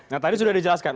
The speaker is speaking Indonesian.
nah tadi sudah dijelaskan